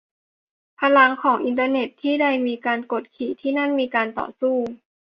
พลังของอินเตอร์เน็ต : ที่ใดมีการกดขี่ ที่นั่นมีการต่อสู้